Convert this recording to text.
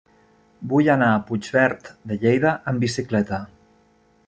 Vull anar a Puigverd de Lleida amb bicicleta.